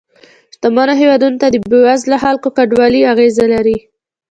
شتمنو هېوادونو ته د بې وزله خلکو کډوالۍ اغیزه لري